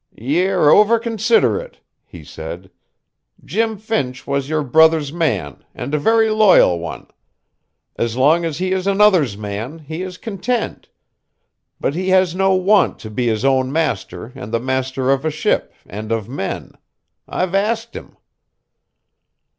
"Ye're over considerate," he said. "Jim Finch was your brother's man, and a very loyal one. As long as he is another's man, he is content. But he has no want to be his own master and the master of a ship, and of men. I've askit him."